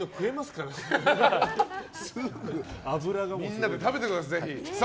みんなで食べてください、ぜひ。